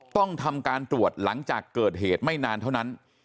ต้องทำการตรวจหลังจากเกิดเหตุไม่นานเท่านั้น